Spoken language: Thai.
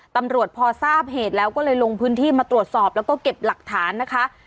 ตำรวจพอทราบเหตุแล้วก็เลยลงพื้นที่มาตรวจสอบแล้วก็เก็บหลักฐานนะคะ